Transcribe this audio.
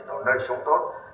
ở nơi sống tốt